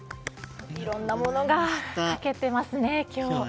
いろんなものにかけていますね今日は。